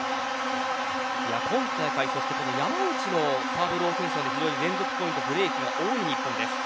今大会山内もサーブローテーションで非常に連続ポイントブレークが多い日本です。